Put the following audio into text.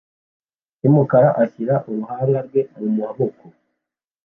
yumukara ashyira uruhanga rwe mumaboko